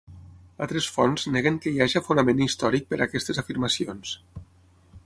Altres fonts neguen que hi haja fonament històric per a aquestes afirmacions.